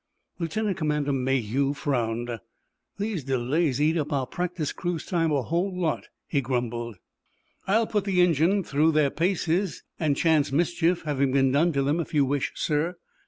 Lieutenant Commander Mayhew frowned. "These delays eat up our practice cruise time a whole lot," he grumbled. "I'll put the engines through their paces, and chance mischief having been done to them, if you wish, sir."